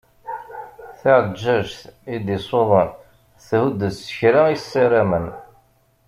Taɛeǧǧaǧt i d-iṣuḍen thudd s kra i ssaramen.